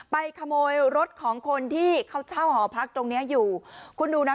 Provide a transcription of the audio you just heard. ขโมยรถของคนที่เขาเช่าหอพักตรงเนี้ยอยู่คุณดูนะ